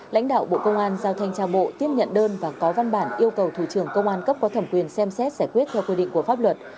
lãnh đạo bộ công an giao thanh trao bộ tiếp nhận đơn và có văn bản yêu cầu thủ trưởng công an cấp có thẩm quyền xem xét giải quyết theo quy định của pháp luật